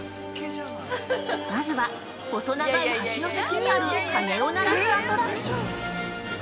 まずは細長い橋の先にある鐘を鳴らすアトラクション！